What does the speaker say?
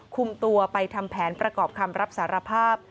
คุมตัวไปทำแผนประกอบคำรับสารภาพ